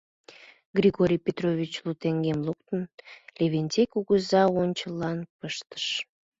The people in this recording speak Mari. Григорий Петрович, лу теҥгем луктын, Левентей кугыза ончылан пыштыш: